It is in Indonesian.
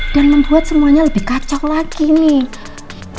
dan membuat semuanya lebih kacau lagi nih